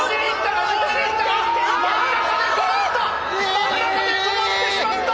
真ん中で止まってしまった！